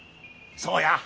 そうや。